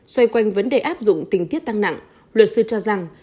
xoay quanh vấn đề áp dụng tình tiết tăng nặng luật sư cho rằng